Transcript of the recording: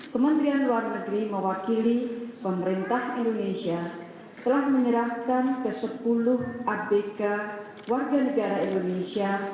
kementerian luar negeri mewakili pemerintah indonesia telah menyerahkan ke sepuluh abk warga negara indonesia